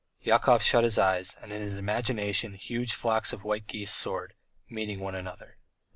Yakov shut his eyes, and in his imagination huge flocks of white geese soared, meeting one another.